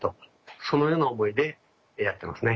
そのような思いでやってますね。